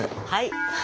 はい。